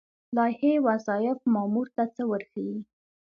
لایحه وظایف مامور ته څه ورښيي؟